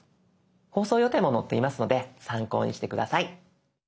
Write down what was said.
放送予定も載っていますので参考にして下さい。